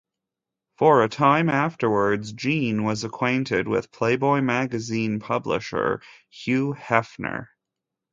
For a time afterwards, Gene was acquainted with Playboy magazine publisher, Hugh Hefner.